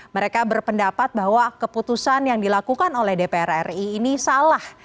mereka berpendapat bahwa keputusan yang dilakukan oleh dpr ri ini salah